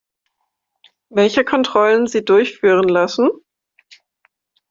Welche Kontrollen Sie durchführen lassen?